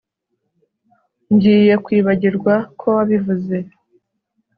Ngiye kwibagirwa ko wabivuze